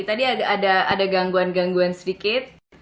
tadi ada gangguan sedikit